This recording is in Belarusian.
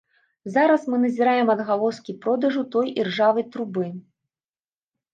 Зараз мы назіраем адгалоскі продажу той іржавай трубы.